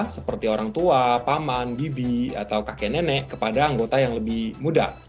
seperti orang tua paman bibi atau kakek nenek kepada anggota yang lebih muda